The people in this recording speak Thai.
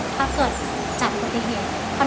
ถ้าเกิดจากโปรดีเหตุ